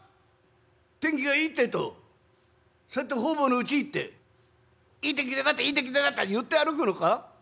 天気がいいってえとそうやって方々のうち行って『いい天気でよかったいい天気でよかった』言って歩くのか？